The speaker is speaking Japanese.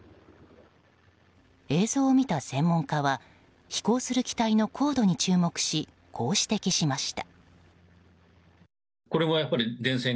映像を見た専門家は飛行する機体の高度に注目しこう指摘しました。